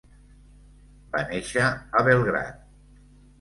Va néixer a Belgrad.